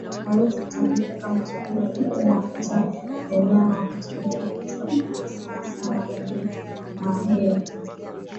haiwezi kutambulika kama chakula kikuu Mafuta ya nyama hutumika katika kupika sanasana uji mahindi